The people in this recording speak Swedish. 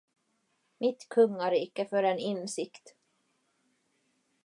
Mitt kungarike för en insikt!